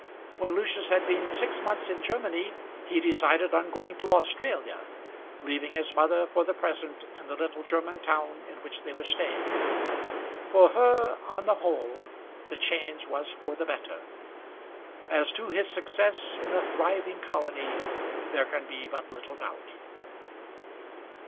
When Lucius had been six months in Germany, he decided on going to Australia, leaving his mother for the present in the little German town in which they were staying. For her, on the whole, the change was for the better. As to his success in a thriving colony, there can be but little doubt.